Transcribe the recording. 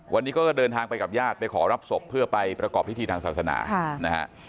วันนี้ก็เดินทางไปกับญาติไปขอรับศพเพื่อไปประกอบพิธีทางศาสนานะฮะ